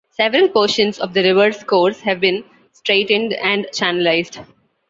Several portions of the river's course have been straightened and channelized.